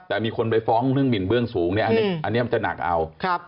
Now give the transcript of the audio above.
แต่มีคนไปฟ้องเรื่องหมินเบื้องสูงเนี่ยอันนี้มันจะหนักเอา